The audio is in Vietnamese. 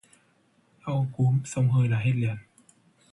Đau cúm, xông hơi là hết liền